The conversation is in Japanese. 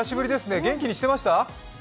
元気にしてました？